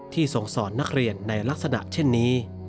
ส่งสอนนักเรียนในลักษณะเช่นนี้